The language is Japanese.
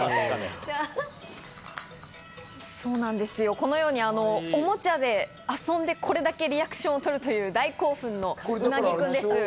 このようにおもちゃで遊んでこれだけリアクションをとるという大興奮のうなぎくんです。